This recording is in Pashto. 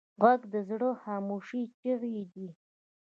غږ د زړه خاموش چیغې دي